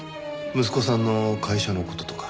息子さんの会社の事とか？